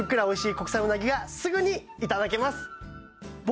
国産うなぎがすぐにいただけます